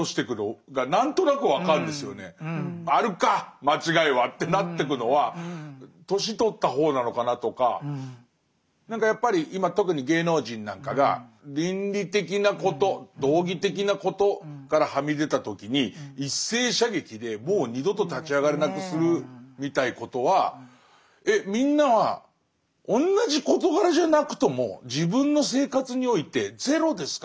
「あるか間違いは」ってなってくのは年取った方なのかなとか何かやっぱり今特に芸能人なんかが倫理的なこと道義的なことからはみ出た時に一斉射撃でもう二度と立ち上がれなくするみたいなことはみんなは同じ事柄じゃなくとも自分の生活においてゼロですか？